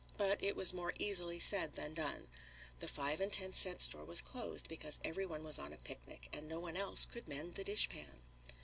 But it was more easily said than done. The five and ten cent store was closed because every one was on a picnic, and no one else could mend the dishpan.